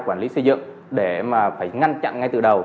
quản lý xây dựng để ngăn chặn ngay từ đầu